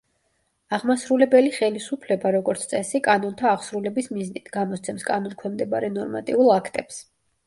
აღმასრულებელი ხელისუფლება, როგორც წესი კანონთა აღსრულების მიზნით, გამოსცემს კანონქვემდებარე ნორმატიულ აქტებს.